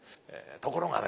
ところがね